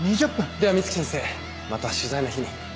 では美月先生また取材の日に。